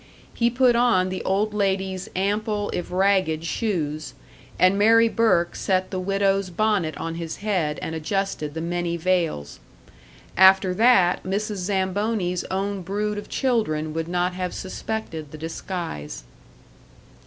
He put on the old lady's ample if ragged shoes, and Mary Burke set the widow's bonnet on his head and adjusted the many veils; after that Mrs. Zamboni's own brood of children would not have suspected the disguise.